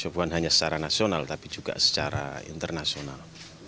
bukan hanya secara nasional tapi juga secara internasional